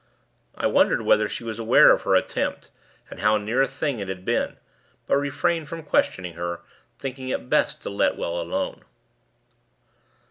I wondered whether she was aware of her attempt, and how near a thing it had been; but refrained from questioning her, thinking it best to let well alone.